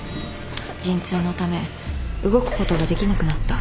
陣痛のため動くことができなくなった。